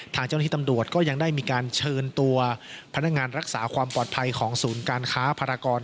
ทางเจ้าหน้าที่ตำรวจก็ยังได้มีการเชิญตัวพนักงานรักษาความปลอดภัยของศูนย์การค้าภารกร